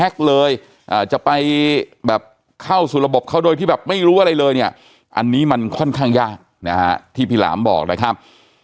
เข้าสู่ระบบเขาโดยที่แบบไม่รู้อะไรเลยอันนี้มันค่อนข้างยากที่พี่หลามบอกนะครับ